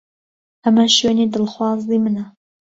ئەمە شوێنی دڵخوازی منە.